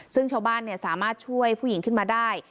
ซึ่งชาวบ้านสามารถช่วยผู้หญิงขึ้นมาได้